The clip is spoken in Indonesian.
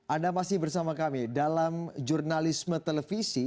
anda masih bersama kami dalam jurnalisme televisi